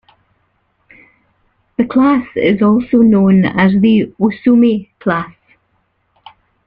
The class is also known as the "Oosumi" class.